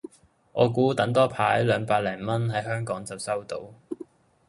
我估等多排二百零蚊喺香港就收到